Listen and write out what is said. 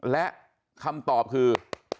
และคำตอบคือ